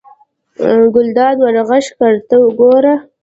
ګلداد ور غږ کړل: ته ګوره.